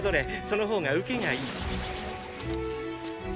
その方がウケがいい。